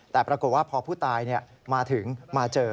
แต่ปรากฏว่าพอผู้ตายมาถึงมาเจอ